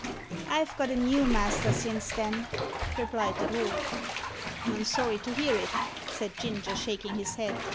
"I've got a new master since then," replied the dwarf. "I'm sorry to hear it," said Ginger, shaking his head.